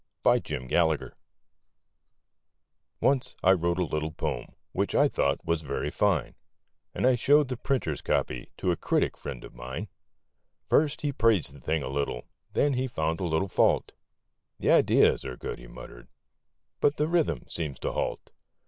MY LITERARY FRIEND Once I wrote a little poem which I thought was very fine, And I showed the printer's copy to a critic friend of mine, First he praised the thing a little, then he found a little fault; 'The ideas are good,' he muttered, 'but the rhythm seems to halt.